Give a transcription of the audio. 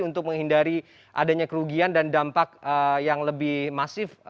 untuk menghindari adanya kerugian dan dampak yang lebih masif